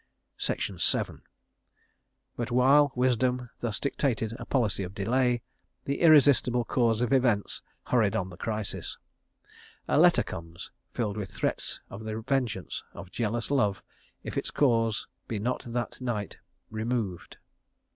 But while wisdom thus dictated a policy of delay, the irresistible course of events hurried on the crisis. A letter comes (VII.) filled with threats of the vengeance of jealous love if its cause be not that night removed.